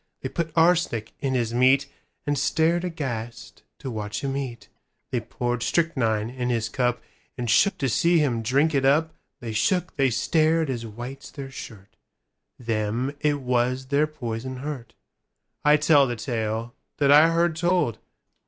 They put arsenic in his meatAnd stared aghast to watch him eat; They poured strychnine in his cupAnd shook to see him drink it up:They shook, they stared as white's their shirt:Them it was their poison hurt.—I tell the tale that I heard told.